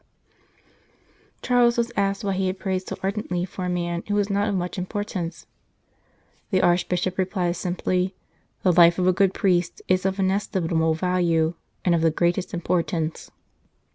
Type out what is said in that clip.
174 The Oblates of St. Ambrose Charles was asked why he had prayed so ardently for a man who was not of much impor tance. The Archbishop replied simply: "The life of a good priest is of inestimable value and of the greatest importance."